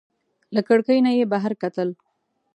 له کړکۍ نه یې بهر کتل.